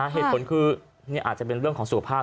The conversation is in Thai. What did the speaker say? เหตุผลคืออาจจะเป็นเรื่องของสุขภาพ